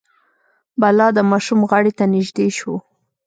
بلا د ماشوم غاړې ته نژدې شو.